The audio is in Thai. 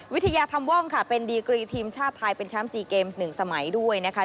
วิทยาธรรมว่องค่ะเป็นดีกรีทีมชาติไทยเป็นแชมป์๔เกมส์๑สมัยด้วยนะคะ